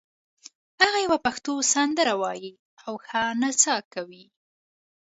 هغه یوه پښتو سندره وایي او ښه نڅا کوي